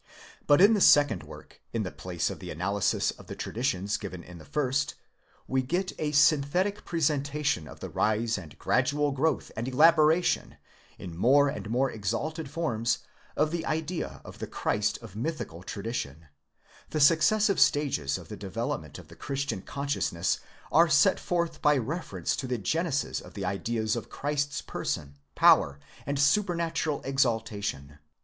But in the second work, in the place of the analysis of the traditions. given in the first, we get a synthetic presentation of the rise and gradual growth and elaboration, in: INTRODUCTION, ΧΧΙΣ more and more exalted forms, of the idea of the Christ of mythical tradition ; the successive stages of the development of the Christian consciousness are set forth by reference to the genesis of the ideas of Christ's person, power, and supernatural exaltation.